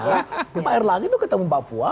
walaupun pak erlang itu ketemu papua